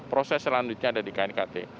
proses selanjutnya ada di knkt